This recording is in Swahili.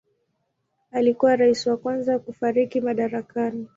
Alikuwa rais wa kwanza kufariki madarakani.